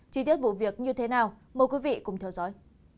chi tiết vụ việc như thế nào mời quý vị cùng theo dõi